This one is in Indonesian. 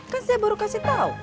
kan saya baru kasih tahu